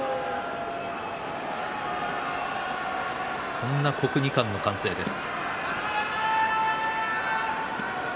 そんな国技館の歓声です。